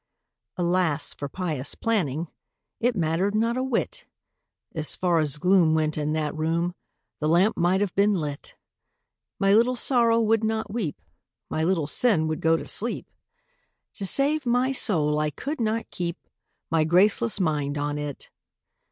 Alas for pious planning— It mattered not a whit! As far as gloom went in that room, The lamp might have been lit! My Little Sorrow would not weep, My Little Sin would go to sleep— To save my soul I could not keep My graceless mind on it!